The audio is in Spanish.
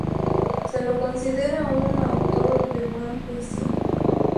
Se lo considera un autor de buen juicio.